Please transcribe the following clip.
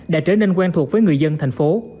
đã trở nên quen thuộc với người dân thành phố